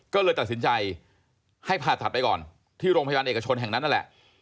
ก็เลยตัดสินใจให้ผ่าตัดไปก่อนที่โรงพยาบาลเอกชนแห่งนั้นนั่นแหละ